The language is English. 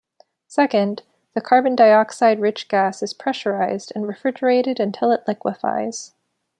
Second, the carbon dioxide-rich gas is pressurized and refrigerated until it liquefies.